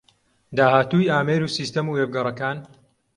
داهاتووی ئامێر و سیستەم و وێبگەڕەکان